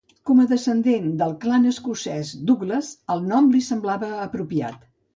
Com a descendent del clan escocès Douglas, el nom li semblava apropiat.